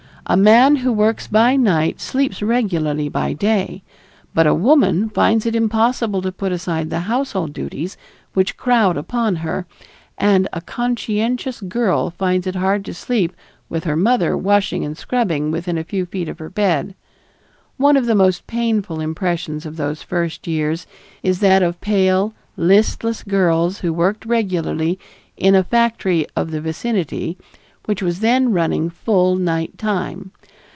A man who works by night sleeps regularly by day, but a woman finds it impossible to put aside the household duties which crowd upon her, and a conscientious girl finds it hard to sleep with her mother washing and scrubbing within a few feet of her bed. One of the most painful impressions of those first years is that of pale, listless girls, who worked regularly in a factory of the vicinity which was then running full night time.